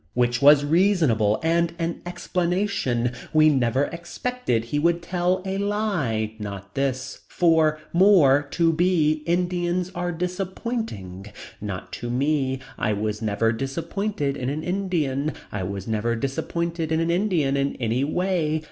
Which was reasonable and an explanation. We never expected he would tell a lie. Not this. For. More. To be. Indians are disappointing. Not to me. I was never disappointed in an Indian. I was never disappointed in an Indian in any way.